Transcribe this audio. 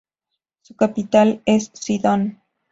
Su capital es Sidón.